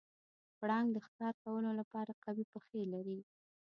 پړانګ د ښکار کولو لپاره قوي پښې لري.